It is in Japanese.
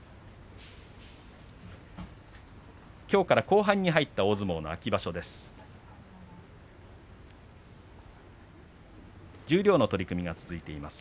きょうから後半に入った大相撲の秋場所です。